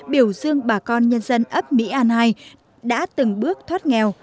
biểu dương bà con nhân dân ấp mỹ an hai đã từng bước thoát nghèo